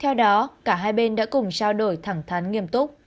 theo đó cả hai bên đã cùng trao đổi thẳng thắn nghiêm túc